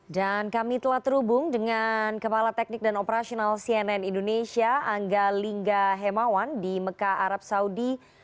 dan kami telah terhubung dengan kepala teknik dan operasional cnn indonesia angga lingga hemawan di mekah arab saudi